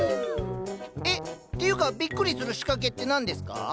えっ？っていうかびっくりする仕掛けって何ですか？